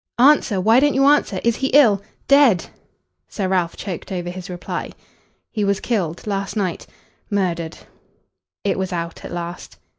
"Answer why don't you answer? Is he ill dead?" Sir Ralph choked over his reply. "He was killed last night murdered." It was out at last.